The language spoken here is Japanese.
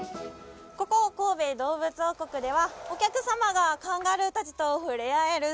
ここ神戸どうぶつ王国ではお客様がカンガルー達とふれあえる